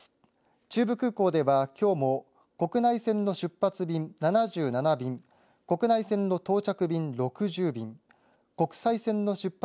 中部空港ではきょうも国内線の出発便７７便、国内線の到着便６０便、国際線の出発